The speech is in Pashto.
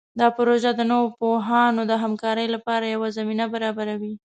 دا پروژه د نوو پوهانو د همکارۍ لپاره یوه زمینه برابروي.